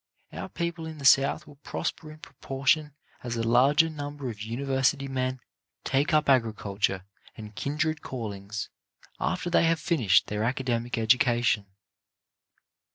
Our people in the South will prosper in proportion as a larger number of university men take up agriculture and kindred callings after they have finished their academic education.